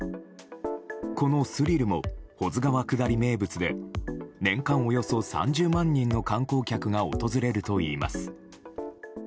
このスリルも保津川下り名物で年間およそ３０万人の観光客が訪れるといいます。